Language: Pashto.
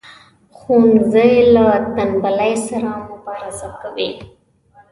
ښوونځی له تنبلی سره مبارزه کوي